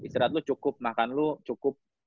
istirahat lu cukup makan lu cukup